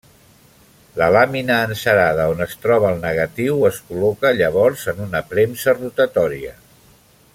La làmina encerada on es troba el negatiu es col·loca llavors en una premsa rotatòria.